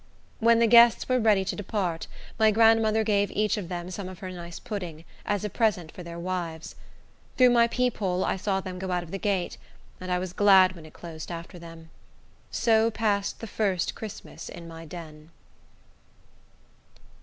When the guests were ready to depart, my grandmother gave each of them some of her nice pudding, as a present for their wives. Through my peep hole I saw them go out of the gate, and I was glad when it closed after them. So passed the first Christmas in my den.